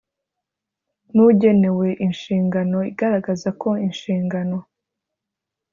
N ugenewe inshingano igaragaza ko inshingano